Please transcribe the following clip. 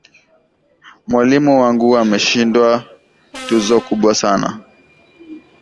Mwalimu wangu ameshindwa tuzo kubwa sana.